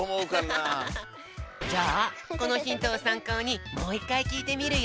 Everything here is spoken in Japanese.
じゃあこのヒントをさんこうにもう１かいきいてみるよ。